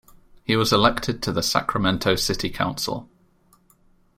He was elected to the Sacramento city council.